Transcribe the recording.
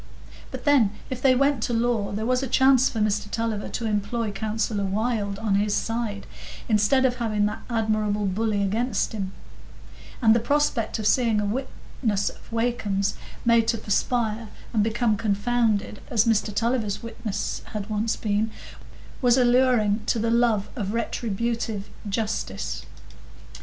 But then, if they went to law, there was a chance for Mr Tulliver to employ Counsellor Wylde on his side, instead of having that admirable bully against him; and the prospect of seeing a witness of Wakem's made to perspire and become confounded, as Mr Tulliver's witness had once been, was alluring to the love of retributive justice.